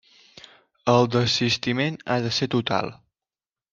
El desistiment ha de ser total.